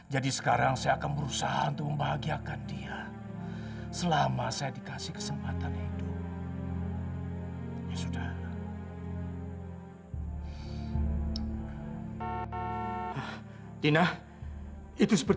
jadi sekarang saya akan berusaha untuk membahagiakan dia selama saya dikasih kesempatan hidup